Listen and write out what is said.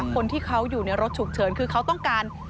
คนที่เขาอยู่ในรถฉุกเฉินคือเขาต้องการ